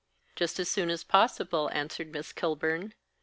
"Just as soon as possible," answered Miss Kilburn.